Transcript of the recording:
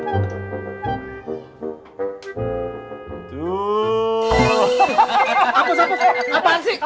apus apus eh apaan sih